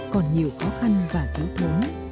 còn nhiều khó khăn và thiếu thú